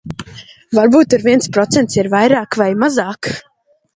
Varbūt tur viens procents ir vairāk vai mazāk.